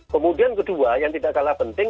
kemudian kedua yang tidak kalah penting